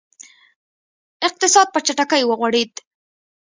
اقتصاد په چټکۍ وغوړېد.